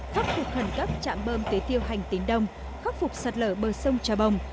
khắc phục khẩn cấp trạm bơm tế tiêu hành tín đông khắc phục sạt lở bờ sông trà bồng